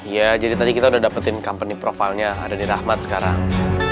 ya jadi tadi kita udah dapetin company profilnya ada di rahmat sekarang